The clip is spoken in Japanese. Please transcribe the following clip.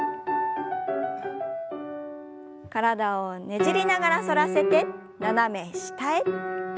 体をねじりながら反らせて斜め下へ。